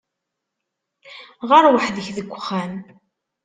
Ɣeṛ weḥd-k deg uxxam.